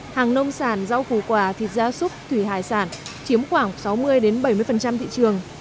hàng nông sản rau củ quả thịt da súc thủy hải sản chiếm khoảng sáu mươi bảy mươi thị trường